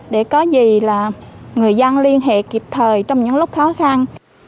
để có gì là người dân liên hệ kịp thời trong những lúc khó khăn